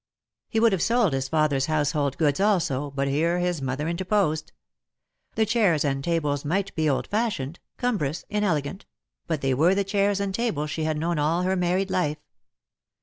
He would have sold his father's household goods also, but here his mother interposed. The chairs and tables might be old fashioned, cumbrous, inelegant ; but they were the chairs and tables she had known all her married life.